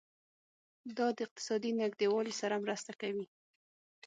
دا د اقتصادي نږدیوالي سره مرسته کوي.